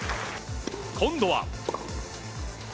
今度は。